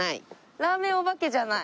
ラーメンお化けじゃない。